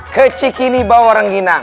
kecik kini bawar rengginang